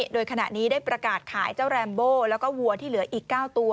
โดยขณะนี้ได้ประกาศขายเจ้าแรมโบแล้วก็วัวที่เหลืออีก๙ตัว